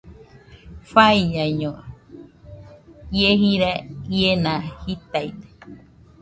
Faiñaño, ie jira iena jitaide